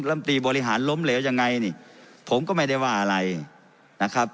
ลำตีบริหารล้มเหลวยังไงนี่ผมก็ไม่ได้ว่าอะไรนะครับ